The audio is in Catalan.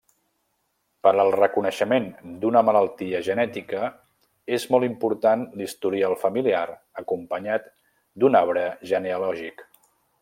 Per al reconeixement d'una malaltia genètica és molt important l'historial familiar acompanyat d'un arbre genealògic.